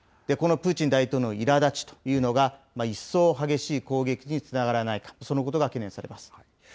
このプーチン大統領のいらだちというのが、一層激しい攻撃につながらないか、そのことが懸念されます。